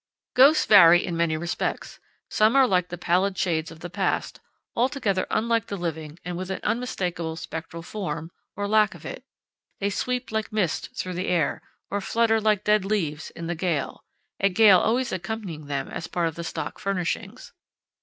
Ghosts vary in many respects. Some are like the pallid shades of the past, altogether unlike the living and with an unmistakable spectral form or lack of it. They sweep like mist through the air, or flutter like dead leaves in the gale a gale always accompanying them as part of the stock furnishings.